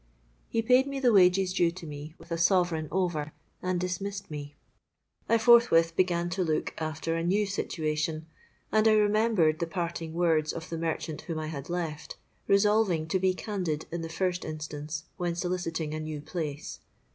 He paid me the wages due to me, with a sovereign over, and dismissed me. "I forthwith began to look after a new situation; and I remembered the parting words of the merchant whom I had left, resolving to be candid in the first instance, when soliciting a new place.